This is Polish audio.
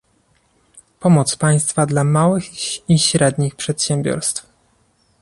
Pomoc państwa dla małych i średnich przedsiębiorstw